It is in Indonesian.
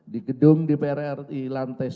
di gedung di prri lantai sepuluh